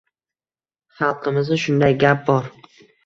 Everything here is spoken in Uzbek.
Xalqimizda shunday gap bor.